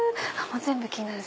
全部気になる！